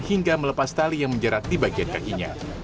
hingga melepas tali yang menjerat di bagian kakinya